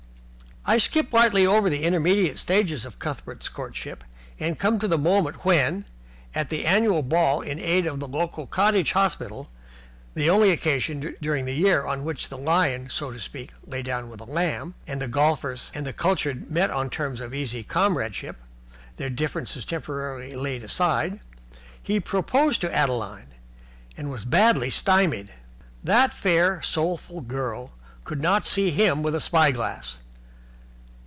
I will skip lightly over the intermediate stages of Cuthbert's courtship and come to the moment when at the annual ball in aid of the local Cottage Hospital, the only occasion during the year on which the lion, so to speak, lay down with the lamb, and the Golfers and the Cultured met on terms of easy comradeship, their differences temporarily laid aside he proposed to Adeline and was badly stymied. That fair, soulful girl could not see him with a spy glass.